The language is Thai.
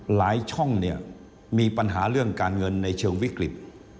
หลายช่องมีปัญหาเรื่องการเงินในเชิงวิกฤต